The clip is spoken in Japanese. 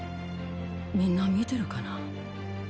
みんな見てるかな？